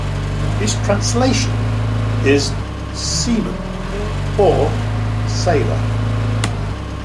Its translation is "Seaman" or "Sailor".